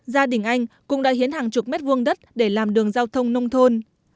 gia đình anh cũng đã hiến hàng chục mét vuông đất để làm đường giao thông nông thôn